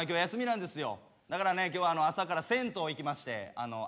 だからね今日朝から銭湯行きまして朝風呂を。